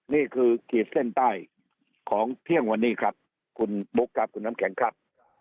ขีดเส้นใต้ของเที่ยงวันนี้ครับคุณบุ๊คครับคุณน้ำแข็งครับ